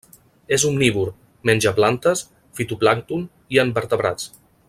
És omnívor: menja plantes, fitoplàncton i invertebrats.